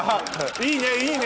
いいねいいね